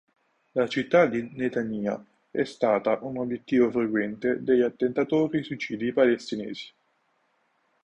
La città di Netanya è stata un obiettivo frequente degli attentatori suicidi palestinesi.